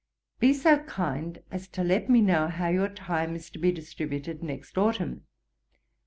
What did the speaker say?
'Be so kind as to let me know how your time is to be distributed next autumn.